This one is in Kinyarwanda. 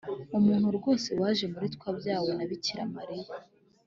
umuntu rwose waje muri twe abyawe na bikira mariya.